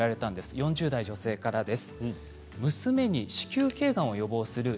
４０代女性からです。